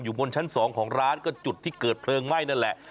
บนชั้น๒ของร้านก็จุดที่เกิดเพลิงไหม้นั่นแหละ